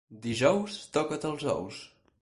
Dijous, toca't els ous.